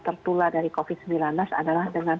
tertular dari covid sembilan belas adalah dengan